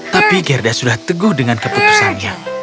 tapi gerda sudah teguh dengan keputusannya